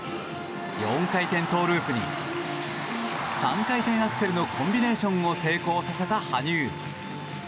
４回転トウループに３回転アクセルのコンビネーションを成功させた羽生。